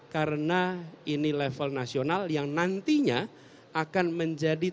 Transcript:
karena ini level nasional yang nantinya akan menjadi